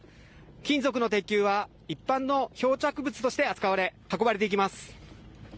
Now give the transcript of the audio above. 金属の鉄球は一般の漂着物として扱われ運ばれていきます。